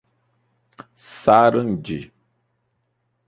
Sarandi